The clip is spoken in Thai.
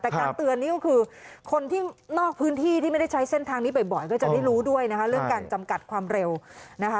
แต่การเตือนนี้ก็คือคนที่นอกพื้นที่ที่ไม่ได้ใช้เส้นทางนี้บ่อยก็จะได้รู้ด้วยนะคะเรื่องการจำกัดความเร็วนะคะ